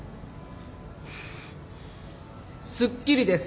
フフッすっきりです